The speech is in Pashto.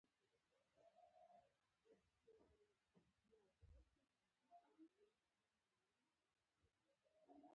کله چې ته اشتباه وکړې هغې ته تر شا ډېر مه ګوره.